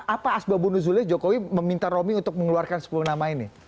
apa asbabunuzuli jokowi meminta romi untuk mengeluarkan sepuluh nama ini